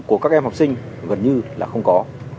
của các em học sinh gần như là không có